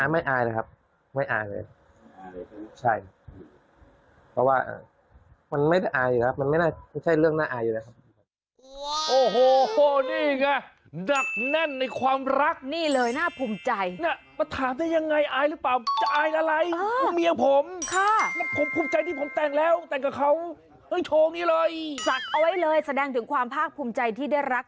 มันไม่ใช่เรื่องน่าอายอยู่นะครับ